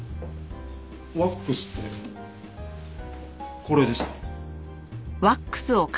ワックスってこれですか？